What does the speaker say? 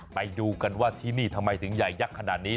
ไปดูกันว่าที่นี่ทำไมถึงใหญ่ยักษ์ขนาดนี้